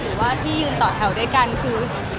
หรือว่าที่ยืนต่อแถวด้วยกันคือ